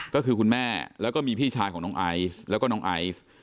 ก็คือคุณแม่แล้วก็มีพี่ชายของน้องไอซ์แล้วก็น้องไอซ์